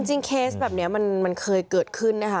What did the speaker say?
เคสแบบนี้มันเคยเกิดขึ้นนะคะ